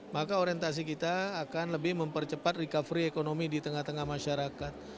maka orientasi kita akan lebih mempercepat recovery ekonomi di tengah tengah masyarakat